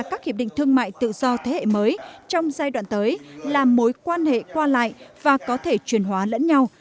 các hiệp định thương mại tự do thế hệ mới trong giai đoạn tới là mối quan hệ qua lại và có thể truyền hóa lẫn nhau